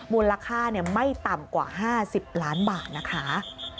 มูลค่าไม่ต่ำกว่า๕๐ล้านบาทนะคะ